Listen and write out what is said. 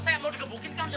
saya mau ngebukin kan